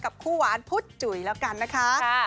กับคู่หวานพุทธจุ๋ยละกันนะคะ